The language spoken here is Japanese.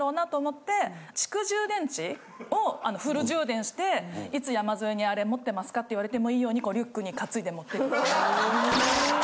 多分。をフル充電していつ山添に「あれ持ってますか？」って言われてもいいようにリュックにかついで持ってくとか。